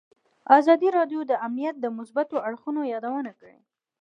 ازادي راډیو د امنیت د مثبتو اړخونو یادونه کړې.